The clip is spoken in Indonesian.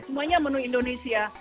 semuanya menu indonesia